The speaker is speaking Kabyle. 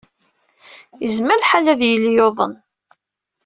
Yezmer lḥal ad yili yuḍen.